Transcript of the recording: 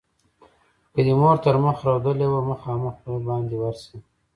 که دې مور تر مخ رودلې وه؛ مخامخ به باندې ورشې.